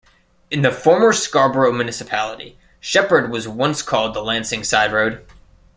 In the former Scarborough municipality, Sheppard was once called the Lansing Sideroad.